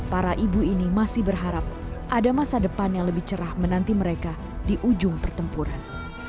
para ibu ini masih berharap ada masa depan yang lebih cerah menanti mereka di ujung pertempuran